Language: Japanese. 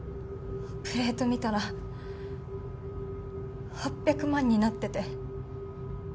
プレート見たら８００万になってて。